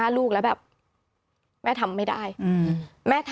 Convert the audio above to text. กำลังใจที่เรามีสถานการณ์อะไรที่มันอ่อนไหว